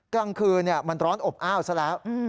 กลางคืนมันร้อนอบอ้าวซะแล้ว